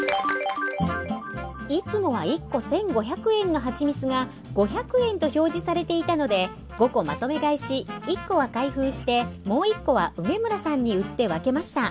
いつもは１個１，５００円のはちみつが５００円と表示されていたので５個まとめ買いし１個は開封してもう１個は梅村さんに売って分けました。